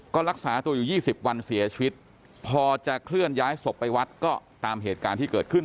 ก็รักษาตัวอยู่๒๐วันเสียชีวิตพอจะเคลื่อนย้ายศพไปวัดก็ตามเหตุการณ์ที่เกิดขึ้น